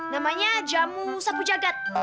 namanya jamu sapu jagad